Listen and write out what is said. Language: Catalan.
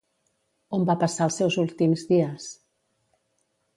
On va passar els seus últims dies?